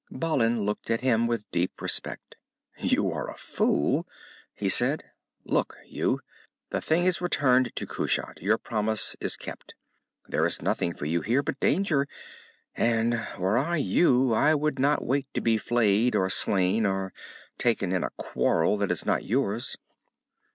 Balin looked at him with deep respect. "You were a fool," he said. "Look you. The thing is returned to Kushat. Your promise is kept. There is nothing for you here but danger, and were I you I would not wait to be flayed, or slain, or taken in a quarrel that is not yours."